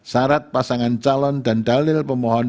syarat pasangan calon dan dalil pemohon